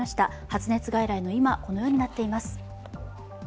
発熱外来の今、このようになっています。